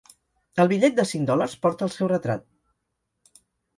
El bitllet de cinc dòlars porta el seu retrat.